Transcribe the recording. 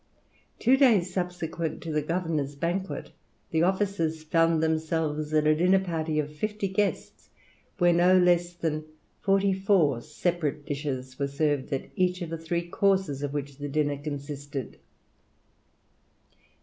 Two days subsequent to the governor's banquet, the officers found themselves at a dinner party of fifty guests, where no less than forty four separate dishes were served at each of the three courses of which the dinner consisted.